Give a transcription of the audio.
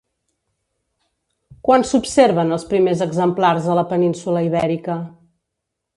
Quan s'observen els primers exemplars a la península Ibèrica?